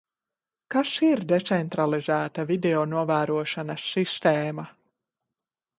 Kas ir decentralizēta videonovērošanas sistēma?